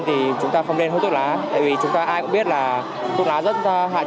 thì chúng ta không nên hút thuốc lá vì chúng ta ai cũng biết là thuốc lá rất hại